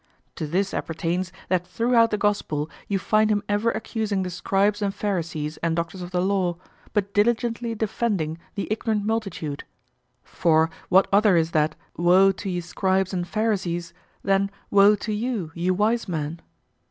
To this appertains that throughout the Gospel you find him ever accusing the Scribes and Pharisees and doctors of the law, but diligently defending the ignorant multitude (for what other is that "Woe to ye Scribes and Pharisees" than woe to you, you wise men?)